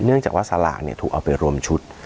เนื่องจากว่าสลากถูกเอาไปรวมชุด